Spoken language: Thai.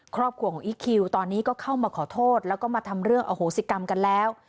ครอบครัวของอีคคิวตอนนี้ก็เข้ามาขอโทษแล้วก็มาทำเรื่องอโหสิกรรมกันแล้ว